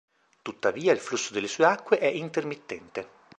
Tuttavia il flusso delle sue acque è intermittente.